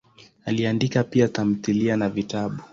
Aliandika pia tamthilia na vitabu.